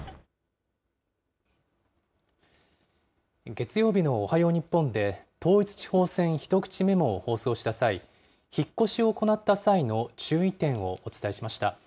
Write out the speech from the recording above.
月曜日のおはよう日本で、統一地方選ひとくちメモを放送した際、引っ越しを行った際の注意点をお伝えしました。